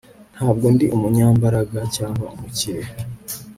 Ntabwo ndi umunyembaraga cyangwa umukire